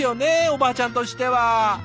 おばあちゃんとしては。